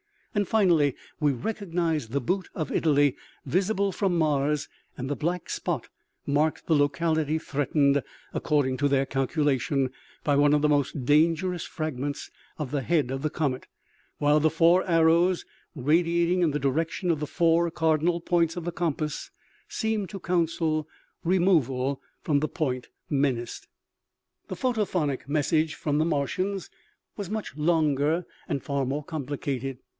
Finally, we recognize the boot of Italy, visible from Mars, and the black spot marks the locality threatened, according to their calculation, by one of the most dangerous fragments of the head of the comet; while the four arrows radiating in the direction of the four cardinal points of the compass seem to counsel removal from the point menaced. 120 OMEGA. The photophonic message from the Martians was much longer and far more complicated.